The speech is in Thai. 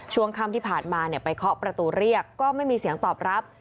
ช่วงค่ำที่ผ่านมาไปเคาะประตูเรียกก็ไม่มีเสียงตอบรับ